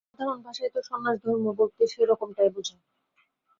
সাধারণ ভাষায় তো সন্ন্যাসধর্ম বলতে সেইরকমটাই বোঝায়।